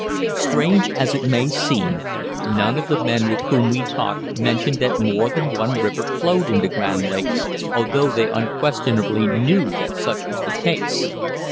Strange as it may seem, none of the men with whom we talked mentioned that more than one river flowed into Grand Lake, although they unquestionably knew that such was the case.